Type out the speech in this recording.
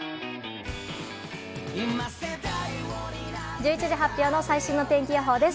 １１時発表の最新の天気予報です。